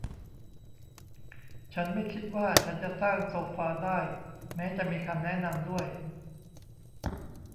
ฉันไม่คิดว่าฉันจะสร้างโซฟาได้แม้จะมีคำแนะนำด้วย